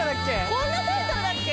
こんなタイトルだっけ？